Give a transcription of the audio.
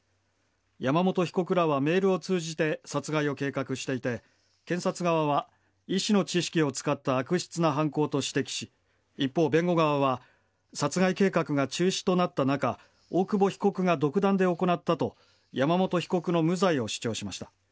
山本被告らはメールを通じて殺害を計画していて検察側は医師の知識を使った悪質な犯行と指摘し一方、弁護側は殺害計画が中止となった中大久保被告が独断で行ったと山本被告の無罪を主張しました。